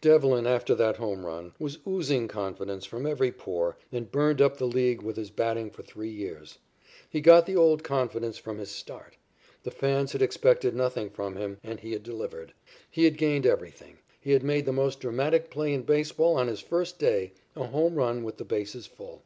Devlin, after that home run, was oozing confidence from every pore and burned up the League with his batting for three years. He got the old confidence from his start. The fans had expected nothing from him, and he had delivered. He had gained everything. He had made the most dramatic play in baseball on his first day, a home run with the bases full.